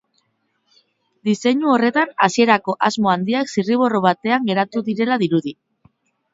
Diseinu horretan, hasierako asmo handiak zirriborro batean geratu direla dirudi.